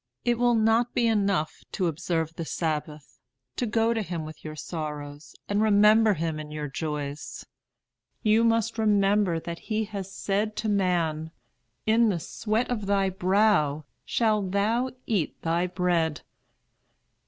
It will not be enough to observe the Sabbath, to go to Him with your sorrows, and remember Him in your joys. You must remember that He has said to man, 'In the sweat of thy brow shalt thou eat thy bread.'